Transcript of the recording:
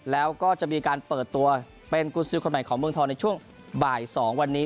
แล้วก็จะมีการเปิดตัวเป็นกุญสือคนใหม่ของเมืองทองในช่วงบ่าย๒วันนี้